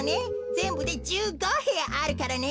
ぜんぶで１５へやあるからね。